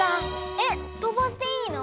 えっとばしていいの？